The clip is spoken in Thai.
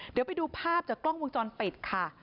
เดี๋ยวไปดูภาพจากกล้องวงจรปิดค่ะ